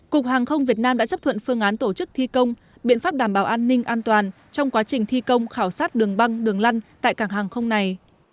cục hàng không việt nam đã chấp thuận phương án tổ chức thi công biện pháp đảm bảo an ninh an toàn trong quá trình thi công khảo sát đường băng đường lăn tại cảng hàng không này